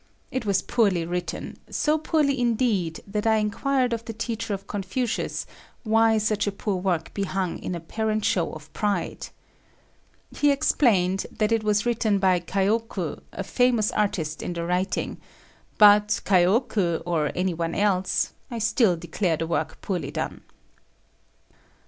It was poorly written; so poorly indeed that I enquired of the teacher of Confucius why such a poor work be hung in apparent show of pride. He explained that it was written by Kaioku a famous artist in the writing, but Kaioku or anyone else, I still declare the work poorly done.